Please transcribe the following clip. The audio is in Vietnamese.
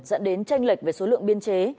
dẫn đến tranh lệch về số lượng biên chế